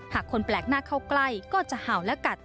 หากคนแปลกหน้าเข้าใกล้ก็จะเห่าและกัด